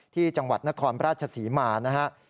ที่จังหวัดนครราชศรีมานะครับ